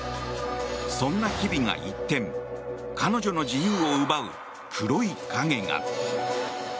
そんな日々が一転彼女の自由を奪う黒い影が。